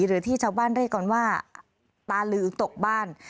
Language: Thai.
หรือที่ชาวบ้านเรียกกันว่าตาลือตกบ้าน